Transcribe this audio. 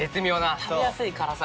食べやすい辛さ。